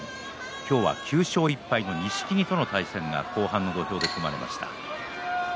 今日は９勝１敗の錦木との対戦が後半の土俵で組まれました。